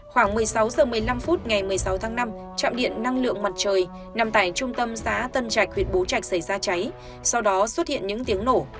khoảng một mươi sáu h một mươi năm phút ngày một mươi sáu tháng năm trạm điện năng lượng mặt trời nằm tại trung tâm xã tân trạch huyện bố trạch xảy ra cháy sau đó xuất hiện những tiếng nổ